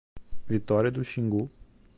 Vitória do Xingu